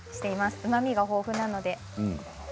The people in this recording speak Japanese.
うまみが豊富なので。